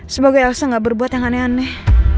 semoga elsa gak berbuat yang aneh aneh